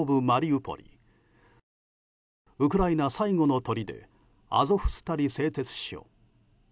ウクライナ最後のとりでアゾフスタリ製鉄所。